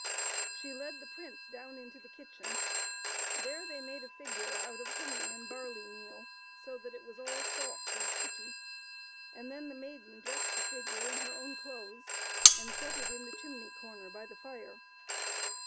She led the prince down into the kitchen ; there they made a figure out of honey and barley meal, so that it was all soft and sticky; then the maiden dressed the figure in her own clothes and set it in the chimney comer by the fire.